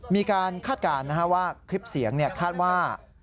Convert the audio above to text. คาดการณ์ว่าคลิปเสียงคาดว่า